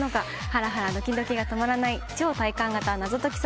ハラハラドキドキが止まらない超体感型謎解き